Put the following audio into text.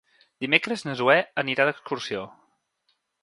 Dimecres na Zoè anirà d'excursió.